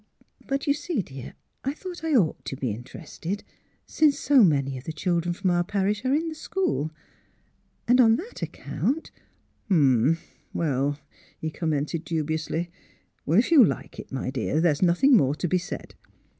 " But, you see, dear, I thought I ought to be in terested, since so many of the children from our parish are in the school. And on that ac count "*' H'm," he commented dubiously. '' Well; if 30 THE HEART OF PHILURA you like it, my dear, there's nothing more to be said.